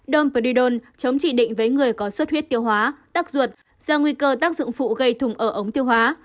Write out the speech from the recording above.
dompridom chống trị định với người có suất huyết tiêu hóa tắc ruột do nguy cơ tác dụng phụ gây thùng ở ống tiêu hóa